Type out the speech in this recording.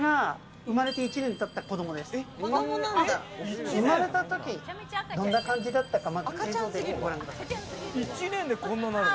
生まれた時、どんな感じだったか映像でご覧ください。